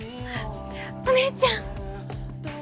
お姉ちゃん。